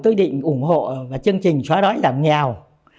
tôi định ủng hộ và chương trình xóa đói giảm nghèo